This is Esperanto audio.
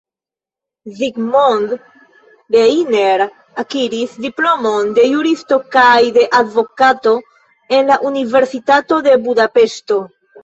Zsigmond Reiner akiris diplomon de juristo kaj de advokato en la Universitato de Budapeŝto.